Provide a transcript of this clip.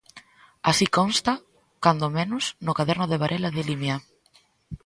Así consta, cando menos, no caderno de Varela de Limia.